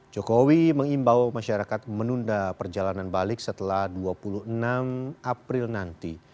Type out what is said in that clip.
jokowi mengimbau masyarakat menunda perjalanan balik setelah dua puluh enam april nanti